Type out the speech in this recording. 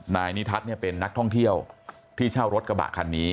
นายนิทัศน์เป็นนักท่องเที่ยวที่เช่ารถกระบะคันนี้